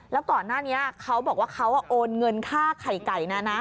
แล้วก่อนหน้านี้เขาบอกว่าเขาโอนเงินค่าไข่ไก่นะนะ